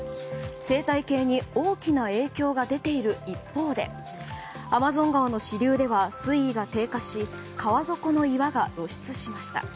生態系に大きな影響が出ている一方でアマゾン川の支流では水位が低下し川底の岩が露出しました。